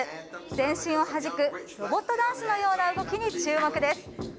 全身をはじくロボットダンスのような動きに注目です。